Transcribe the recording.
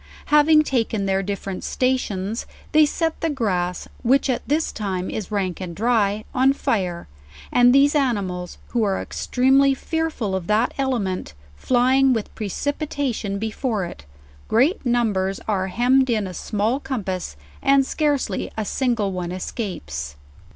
Having taken their different stations, they set the grass, which at this time is rank and dry, on fire, and these animals who are extremely fearful of that element, flying with precipitation before it, great numbers are hem med in a small compass, and scarcely a single one escapes.